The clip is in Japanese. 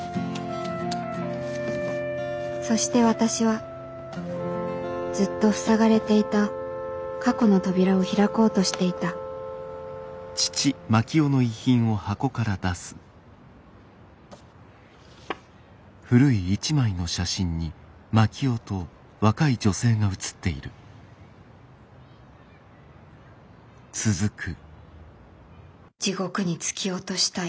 そして私はずっと塞がれていた過去の扉を開こうとしていた地獄に突き落としたい。